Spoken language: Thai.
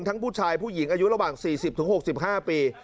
ผู้ชายผู้หญิงอายุระหว่าง๔๐๖๕ปี